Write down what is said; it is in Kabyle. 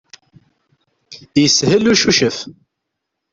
Yeshel ucucef.